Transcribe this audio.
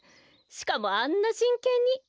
しかもあんなしんけんに。